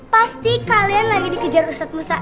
pasti kalian lagi dikejar ustadz musa